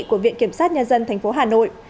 của viện kiểm sát nhân dân tp hà nội